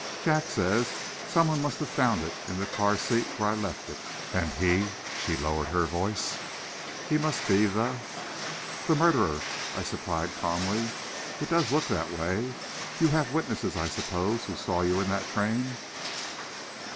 "Jack says some one must have found it in the car seat where I left it, and he" she lowered her voice "he must be the " "The murderer," I supplied calmly. "It does look that way. You have witnesses, I suppose, who saw you in that train?"